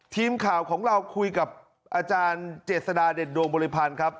ทีมข่าวของเราคุยกับอาจารย์เจษฎาเด็ดดวงบริพันธ์ครับ